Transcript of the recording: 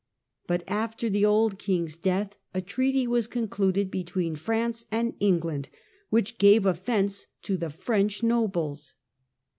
But after the old king's death a treaty was concluded between France and England, which gave offence to the French nobles.